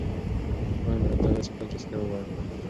مور مې راته وویل چې تل رښتیا ووایم.